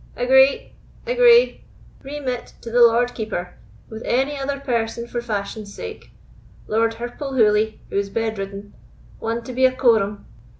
"Agree, agree—remit to the Lord Keeper, with any other person for fashion's sake—Lord Hirplehooly, who is bed ridden—one to be a quorum.